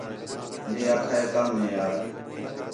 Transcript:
مے آکھا ہے کَم ہے یار